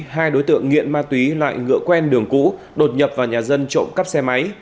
hai đối tượng nghiện ma túy lại ngựa quen đường cũ đột nhập vào nhà dân trộm cắp xe máy